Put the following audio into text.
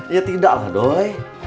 ya tidak lah doi